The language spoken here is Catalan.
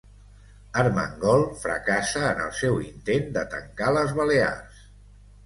Armengol fracassa en el seu intent de tancar les Balears